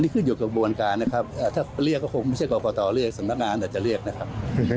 คุณผู้หญิงที่ทางเองจะต้องเรียกมาชี้แจงนะครับตามคำร้องนะครับ